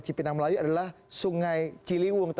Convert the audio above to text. cipinang melayu adalah sungai ciliwung